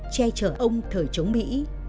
che chở ông thời chống mỹ